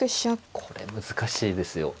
これ難しいですよ。